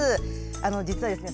あの実はですね